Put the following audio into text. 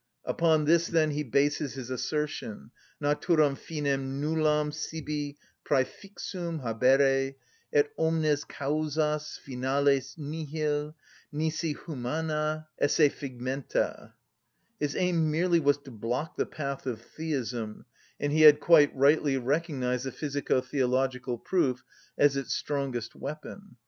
Upon this, then, he bases his assertion: Naturam finem nullum sibi præfixum habere et omnes causas finales nihil, nisi humana esse figmenta. His aim merely was to block the path of theism; and he had quite rightly recognised the physico‐theological proof as its strongest weapon.